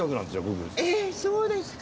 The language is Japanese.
ええっそうですか。